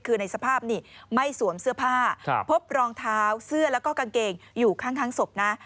คือในสภาพนี่ไม่สวมเสื้อผ้าพบรองเท้าเสื้อแล้วก็กางเกงอยู่ข้างศพนะ